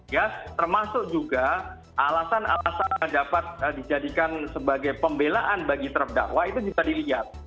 ya termasuk juga alasan alasan yang dapat dijadikan sebagai pembelaan bagi terdakwa itu bisa dilihat